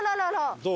どう？